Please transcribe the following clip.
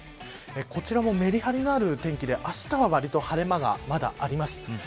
こちらもメリハリのある天気であしたはわりと晴れ間がまだあります。